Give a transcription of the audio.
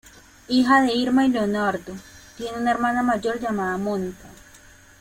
Hija de Irma y Leonardo, tiene una hermana mayor llamada Mónica.